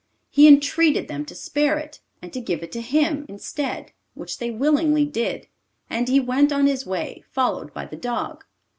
He entreated them to spare it, and to give it to him instead which they willingly did, and he went on his way, followed by the dog.